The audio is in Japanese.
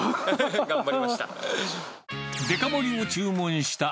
頑張りました。